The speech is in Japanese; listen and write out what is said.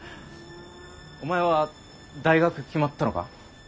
お前は大学決まったのか？